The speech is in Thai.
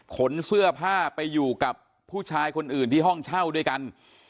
ขนเสื้อผ้าไปอยู่กับผู้ชายคนอื่นที่ห้องเช่าด้วยกัน